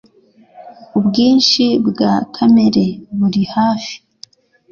Ubwinshi bwa kamere buri hafi